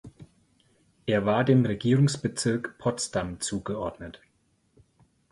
Er war dem Regierungsbezirk Potsdam zugeordnet.